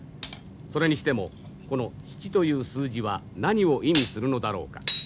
それにしてもこの「七」という数字は何を意味するのだろうか。